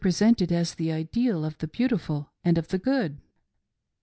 sented as the ideal of the beautiful and of the good.